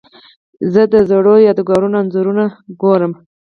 زه د زړو یادګارونو انځورونه ګورم.